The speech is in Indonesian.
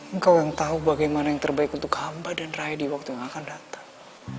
engkau yang tahu bagaimana yang terbaik untuk hamba dan rai di waktu yang akan datang